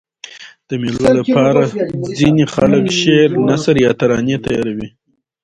د مېلو له پاره ځيني خلک شعر، نثر یا ترانې تیاروي.